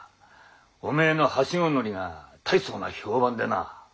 おめえの梯子乗りが大層な評判でな。